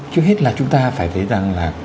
trước hết là chúng ta phải thấy rằng là